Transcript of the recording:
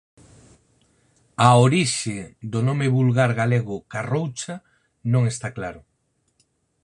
A orixe do nome vulgar galego carroucha non está claro.